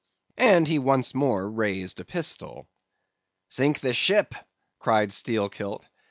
and he once more raised a pistol. "'Sink the ship?' cried Steelkilt.